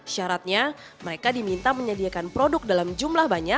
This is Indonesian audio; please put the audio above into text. syaratnya mereka diminta menyediakan produk dalam jumlah banyak